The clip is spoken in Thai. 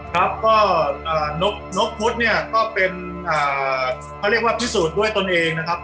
ครับก็นกพุทธเนี่ยก็เป็นเขาเรียกว่าพิสูจน์ด้วยตนเองนะครับ